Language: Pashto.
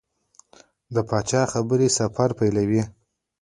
د پاچا خبرې سفر پیلوي.